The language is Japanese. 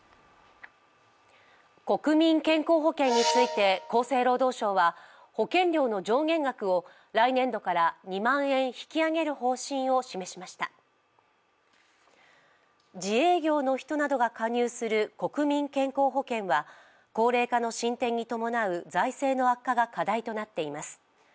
国民健康保険について厚生労働省は保険料の上限額を来年度から２万円引き上げる方針を示しました自営業の人などが加入する国民健康保険は高齢化の進展に伴う財政の悪化が課題となっています。